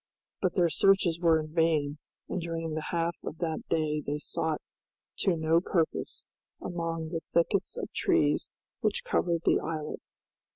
But their searches were vain, and during the half of that day they sought to no purpose among the thickets of trees which covered the islet.